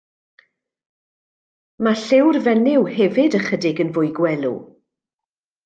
Mae lliw'r fenyw hefyd ychydig yn fwy gwelw.